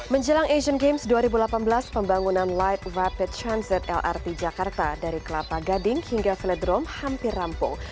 menjelang asian games dua ribu delapan belas pembangunan light rapid transit lrt jakarta dari kelapa gading hingga velodrome hampir rampung